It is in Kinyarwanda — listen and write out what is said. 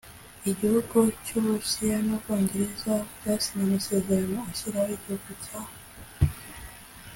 Igihugu cy’u Burusiya n’u Bwongereza byasinye amasezerano ashyiraho igihugu cya Afghanistan